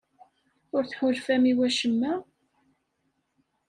Ur tḥulfam i wacemma?